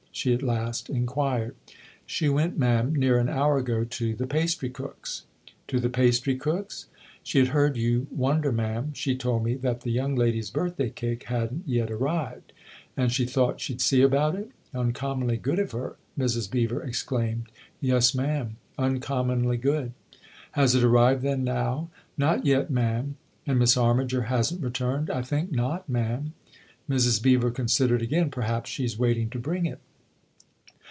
she at last inquired. H4 THE OTHER HOUSE "She went, ma'am, near an hour ago, to the pastrycook's." " To the pastrycook's ?" ''She had heard you wonder, ma'am, she told me, that the young ladies' birthday cake hadn't yet arrived." "And she thought she'd see about it? Uncom monly good of her !" Mrs. Beever exclaimed. "Yes, ma'am, uncommonly good." " Has it arrived, then, now ?"" Not yet, ma'am." "And Miss Armiger hasn't returned ?"" I think not, ma'am." Mrs. Beever considered again. " Perhaps she's waiting to bring it."